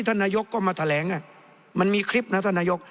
ท่านนายกก็มาแถลงมันมีคลิปนะท่านนายก